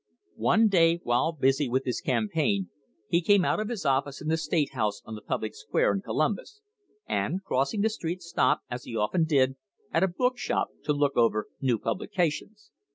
One day, while busy with his campaign, he came out of his office in the state house on the public square in Columbus, and, crossing the street, stopped, as he often did, at a book shop to look over new publications.